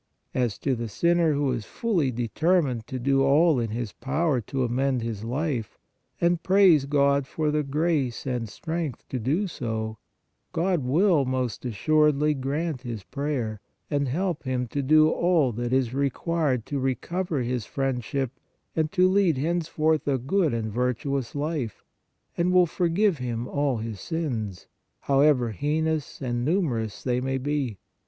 As to the sinner who is fully determined to do all in his power to amend his life, and prays God for the grace and strength to do so, God will, most assuredly grant his prayer and help him to do all that is required to recover His friendship and to lead henceforth a good and virtuous life, and will forgive him all his sins, however heinous and numerous they may be.